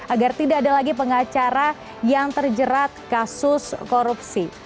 agar tidak ada lagi pengacara yang terjerat kasus korupsi